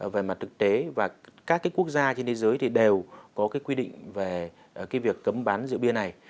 về mặt thực tế các quốc gia trên thế giới đều có quy định về việc cấm bán rượu bia này